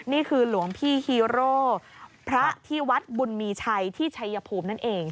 นี่คือหลวงพี่ฮีโร่พระที่วัดบุญมีชัยที่ชัยภูมินั่นเอง